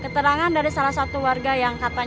ternyata dapu sudah punya firasat